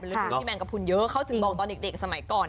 ดูที่แมงกระพุนเยอะเขาถึงบอกตอนเด็กสมัยก่อน